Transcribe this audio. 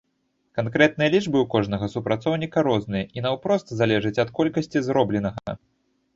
Канкрэтныя лічбы ў кожнага супрацоўніка розныя і наўпрост залежаць ад колькасці зробленага.